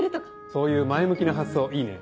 そういう前向きな発想いいね。